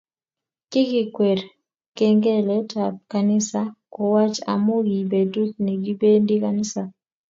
Kikikwer kengelt ab kanisa kowach amu ki betut nikipendi kanisa